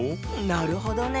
なるほどね。